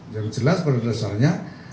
yang jelas pada dasarnya